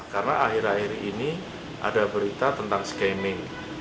karena akhir akhir ini ada berita tentang skimming